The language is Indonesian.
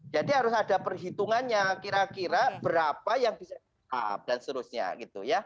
jadi harus ada perhitungannya kira kira berapa yang bisa dan seterusnya gitu ya